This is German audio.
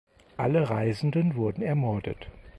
Alle Reisenden wurden ermordet.